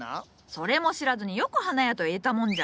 それも知らずによく花屋と言えたもんじゃ！